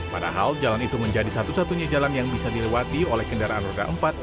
padahal jalan itu menjadi satu satunya jalan yang bisa dilewati oleh kendaraan roda empat